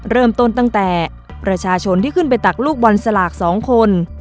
เริ่มต้นตั้งแต่ประชาชนที่ขึ้นไปตักลูกบอลสลาก๒คน